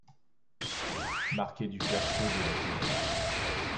Marqués du fer chaud de l’éclair ?